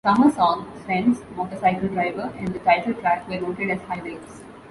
"Summer Song", "Friends", "Motorcycle Driver", and the title track were noted as highlights.